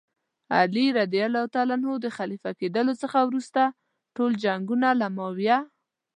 علي رض د خلیفه کېدلو څخه وروسته ټول جنګونه له معاویه.